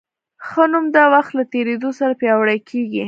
ښه نوم د وخت له تېرېدو سره پیاوړی کېږي.